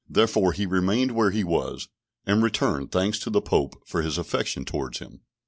Therefore he remained where he was, and returned thanks to the Pope for his affection towards him.